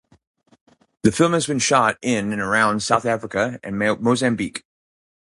The film has been shot in and around South Africa and Mozambique.